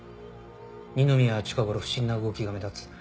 二宮は近頃不審な動きが目立つ。